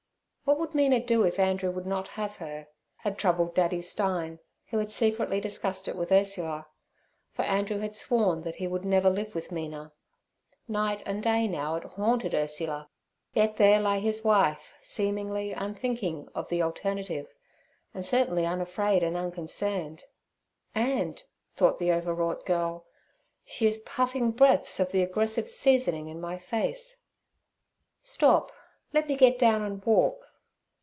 What would Mina do if Andrew would not have her? had troubled Daddy Stein, who had secretly discussed it with Ursula; for Andrew had sworn that he would never live with Mina. Night and day now it haunted Ursula, yet there lay his wife, seemingly unthinking of the alternative, and certainly unafraid and unconcerned—'And' thought the overwrought girl, 'she is puffing breaths of the aggressive seasoning in my face.' 'Stop; let me get down and walk.'